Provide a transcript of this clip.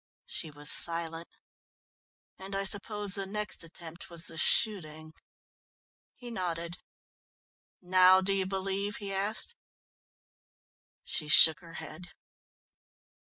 She was silent. "And I suppose the next attempt was the shooting?" He nodded. "Now do you believe?" he asked. She shook her head.